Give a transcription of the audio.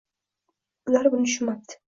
Ular buni tushunmabdi!